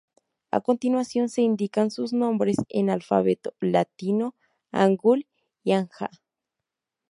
A continuación se indican sus nombres en alfabeto latino, Hangul, y Hanja.